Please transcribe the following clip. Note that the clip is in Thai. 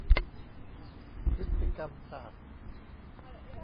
พฤติกรรมศาสตร์